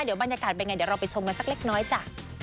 เดี๋ยวบรรยากาศเป็นไงเดี๋ยวเราไปชมกันสักเล็กน้อยจ้ะ